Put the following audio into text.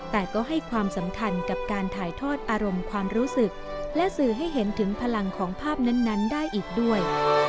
แต่ก็ให้ความสำคัญกับการถ่ายทอดอารมณ์ความรู้สึกและสื่อให้เห็นถึงพลังของภาพนั้นได้อีกด้วย